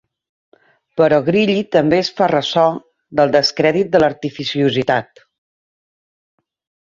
Però Grilli també es fa ressò del descrèdit de l'artificiositat.